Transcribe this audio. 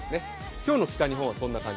今日の北日本はそんな感じ。